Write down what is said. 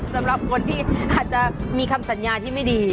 สำหรับคนที่อาจจะมีคำสัญญาที่ไม่ดี